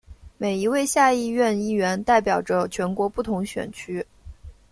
每一位下议院议员代表着全国不同选区。